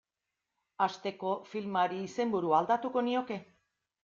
Hasteko, filmari izenburua aldatuko nioke.